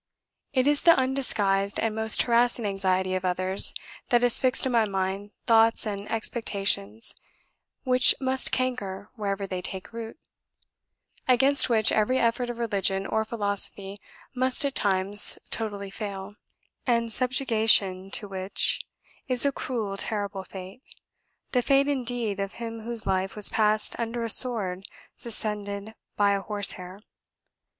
It is the undisguised and most harassing anxiety of others that has fixed in my mind thoughts and expectations which must canker wherever they take root; against which every effort of religion or philosophy must at times totally fail; and subjugation to which is a cruel terrible fate the fate, indeed, of him whose life was passed under a sword suspended by a horse hair.